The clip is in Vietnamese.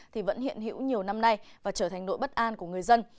thì vẫn hiện hữu nhiều năm nay và trở thành nỗi bất an của người dân